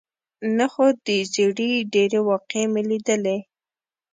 نه، خو د ژېړي ډېرې واقعې مې لیدلې.